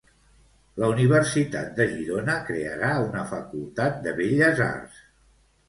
La Universitat de Girona crearà una facultat de Belles Arts.